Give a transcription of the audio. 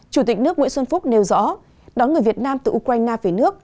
chủ tịch nước nguyễn xuân phúc nêu rõ đón người việt nam từ ukraine về nước